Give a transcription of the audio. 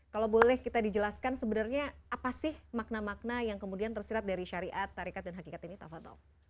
kalau boleh kita dijelaskan sebenarnya apa sih makna makna yang kemudian tersirat dari syariat tarikat dan hakikat ini tato